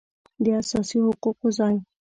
داساسي حقوقو ځای